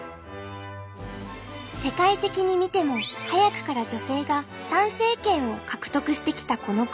世界的に見ても早くから女性が参政権を獲得してきたこの国。